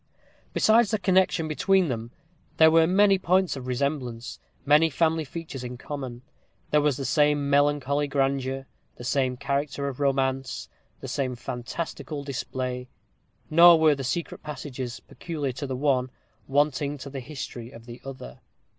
Besides the connexion between them, there were many points of resemblance; many family features in common; there was the same melancholy grandeur, the same character of romance, the same fantastical display. Nor were the secret passages, peculiar to the one, wanting to the history of the other.